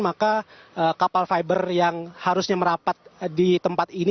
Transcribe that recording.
maka kapal fiber yang harusnya merapat di tempat ini